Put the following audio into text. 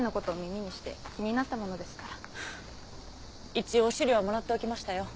一応資料はもらっておきましたよ。